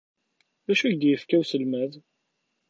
D acu ay ak-d-yefka uselmad?